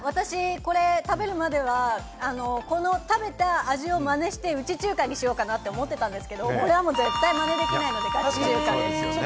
食べるまでは、この食べた味をまねして、ウチ中華にしようかなって思ってたんですけれども、これはもう絶対まねできないので、ガチ中華です。